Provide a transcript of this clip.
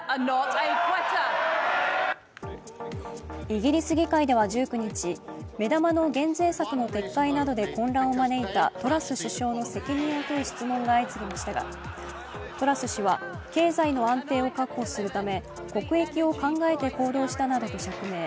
イギリス議会では１９日、目玉の減税策の撤回などで混乱を招いたトラス首相の責任を問う質問が相次ぎましたがトラス氏は、経済の安定を確保するため、国益を考えて行動したなどと釈明。